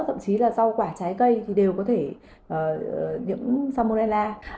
thậm chí là rau quả trái cây đều có thể nhiễm samolella